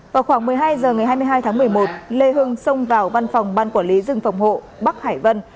vào khoảng một mươi hai h ngày hai mươi hai tháng một mươi một lê hưng xông vào văn phòng ban quản lý rừng phòng hộ bắc hải vân